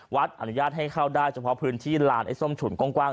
อนุญาตให้เข้าได้เฉพาะพื้นที่ลานไอ้ส้มฉุนกว้าง